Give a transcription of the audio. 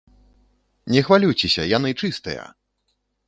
Не хвалюйцеся, яны чыстыя!